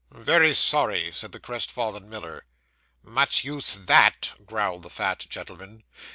'Very sorry,' said the crestfallen Miller. 'Much use that,' growled the fat gentleman.